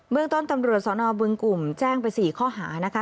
เมืองต้นตำรวจสนบึงกลุ่มแจ้งไป๔ข้อหานะคะ